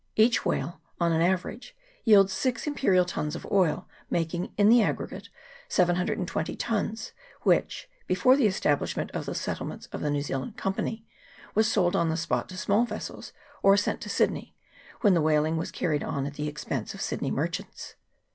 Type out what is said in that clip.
Each whale, on an average, yields six imperial tuns of oil, making, in the aggregate, 720 tuns, which, before the esta blishment of the settlements of the New Zealand Company, was sold on the spot to small vessels, or sent to Sydney, when the whaling was carried on at the expense of Sydney merchants.